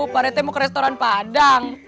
pak rete mau ke restoran padang